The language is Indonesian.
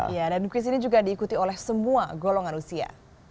ya dan kuis ini juga diikuti oleh semua golongan usia